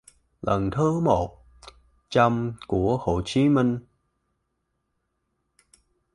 lần thứ một trăm của Hồ Chí Minh